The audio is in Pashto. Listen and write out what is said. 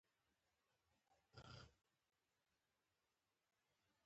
چې ورسره د معاون په حېث